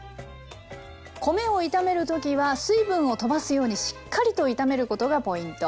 米を炒める時は水分をとばすようにしっかりと炒めることがポイント。